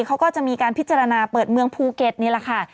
เขาก็จะมีการพิจารณาเปิดเมืองภูเก็ตนี่แหละค่ะ